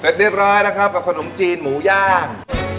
เรียบร้อยนะครับกับขนมจีนหมูย่าง